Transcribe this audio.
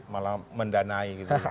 malah mendanai gitu